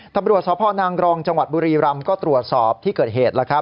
ตำรวจสพนางรองจังหวัดบุรีรำก็ตรวจสอบที่เกิดเหตุ